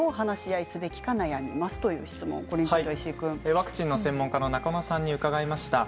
ワクチンの専門家の中野さんに伺いました。